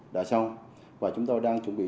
đã xong và chúng tôi đang chuẩn bị